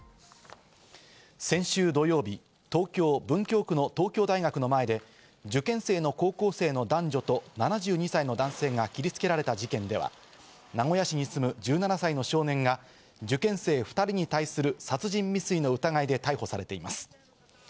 先週土曜日、東京・文京区の東京大学の前で受験生の高校生の男女と７２歳の男性が切りつけられた事件では、名古屋市に住む１７歳の少年が受験生２人に対する殺人未遂の疑いで逮捕されています。